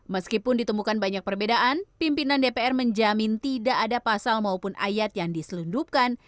meskipun ditemukan banyak perbedaan pimpinan dpr menjamin tidak ada pasal maupun ayat yang diselundupkan